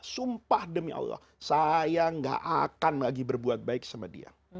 sumpah demi allah saya gak akan lagi berbuat baik sama dia